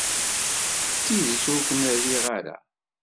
Deg tidet, ur ken-riɣ ara.